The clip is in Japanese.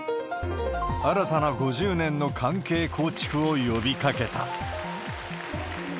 新たな５０年の関係構築を呼びかけた。